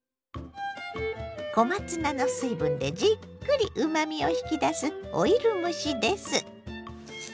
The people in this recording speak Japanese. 小松菜の水分でじっくりうまみを引き出すオイル蒸しです。